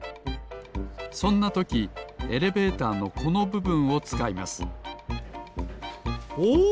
そんなときエレベーターのこのぶぶんをつかいますおお！